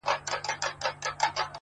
له کارګه سره پنیر یې ولیدله٫